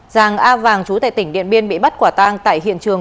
giàng a vàng trú tại tỉnh điện biên bị bắt quả tang tại hiện trường